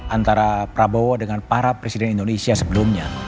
antara prabowo dengan para presiden indonesia sebelumnya